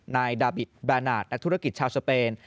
นายดาบิตแบรนาทนักธุรกิจชาวสเปน